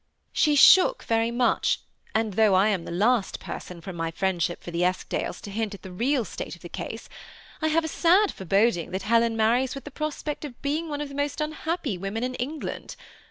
She shook very much; and though I am the last person, from my friendship for the Eskdales, to hint at the real state of the case, I have a sad foreboding that Helen marries with the prospect of being one of the most unhappy women in England.